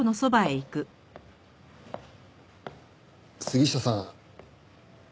杉下さん。